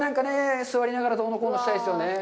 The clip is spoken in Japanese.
座りながらどうのこうのしたいですよね。